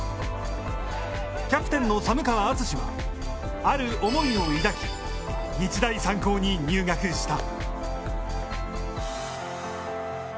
キャプテンの寒川忠はある思いを抱き日大三高に入学した。